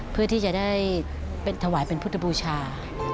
เพื่อที่จะได้ถวายเป็นพุทธบูชา